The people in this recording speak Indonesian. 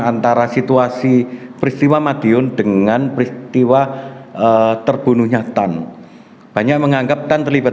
antara situasi peristiwa madiun dengan peristiwa terbunuhnya tan banyak menganggap tan terlibat